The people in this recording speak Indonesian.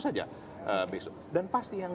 saja besok dan pasti yang